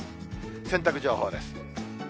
洗濯情報です。